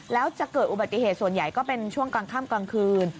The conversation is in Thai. แล้วจะเกิดอุบัติเหตุส่วนใหญ่ก็เป็นช่วงกลางค่ำกลางคืน